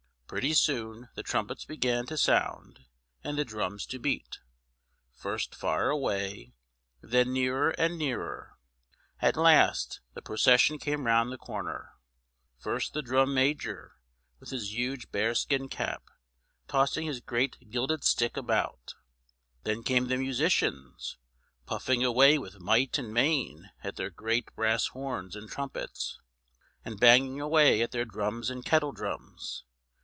Pretty soon the trumpets began to sound and the drums to beat, first far away, then nearer and nearer. At last the procession came round the corner. First the drum major, with his huge bearskin cap, tossing his great gilded stick about; then came the musicians, puffing away with might and main at their great brass horns and trumpets, and banging away at their drums and kettle drums.